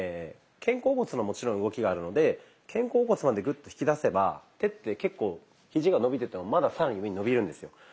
肩甲骨のもちろん動きがあるので肩甲骨までグッと引き出せば手って結構ひじが伸びててもまだ更に上に伸びるんですよ。